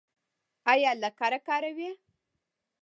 ایا لکړه کاروئ؟